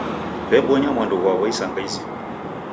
W'ebonya mwandu ghwa'wo isanga izima.